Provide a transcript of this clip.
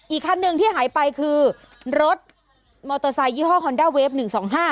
คันหนึ่งที่หายไปคือรถมอเตอร์ไซค์ยี่ห้อฮอนด้าเวฟหนึ่งสองห้า